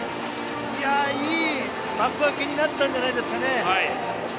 いい幕開けになったんじゃないですかね。